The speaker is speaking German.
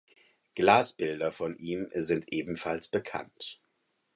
Glasbilder von ihm sind ebenfalls bekannt.